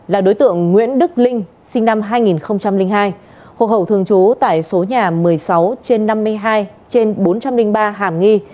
là đối tượng nguyễn đức linh sinh năm hai nghìn hai hồ hậu thường trú tại số nhà một mươi sáu trên năm mươi hai trên bốn trăm linh ba hàm nghi